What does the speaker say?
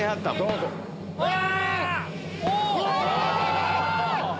うわ！